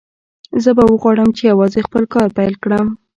زه به وغواړم چې یوازې خپل کار پیل کړم